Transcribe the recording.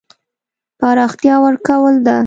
پراختیا ورکول ده.